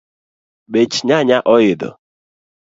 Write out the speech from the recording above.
Bech nyanya oidho